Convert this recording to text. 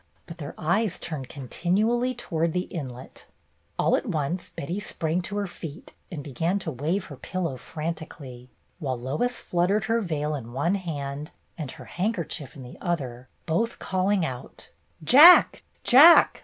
But their eyes turned continually towards the inlet. All at once Betty sprang to her feet and began to wave her pillow frantically, while Lois fluttered her veil in one hand and her handkerchief in the other, both calling out: "Jack! Jack!